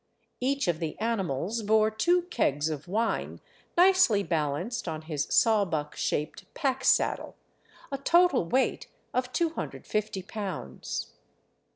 Each of the animals bore two kegs of wine nicely balanced on his sawbuck shaped pack saddle, a total weight of 250 pounds.